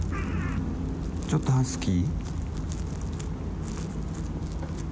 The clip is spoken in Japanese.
ちょっとハスキー？